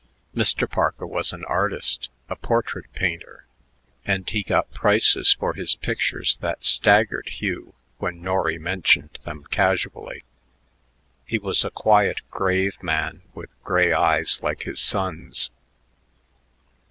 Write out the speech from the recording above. Mr. Parker was an artist, a portrait painter, and he got prices for his pictures that staggered Hugh when Norry mentioned them casually. He was a quiet, grave man with gray eyes like his son's.